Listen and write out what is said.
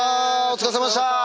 お疲れさまでした！